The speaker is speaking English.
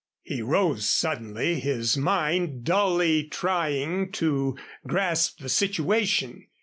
He rose suddenly, his mind dully trying to grasp the situation.